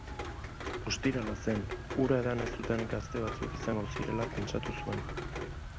Ostirala zen, ura edan ez zuten gazte batzuk izango zirela pentsatu zuen.